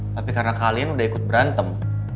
tapi karena kalian udah ikut berantem